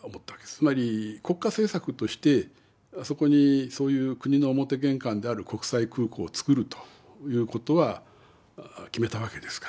つまり国家政策としてそこにそういう国の表玄関である国際空港を造るということは決めたわけですから。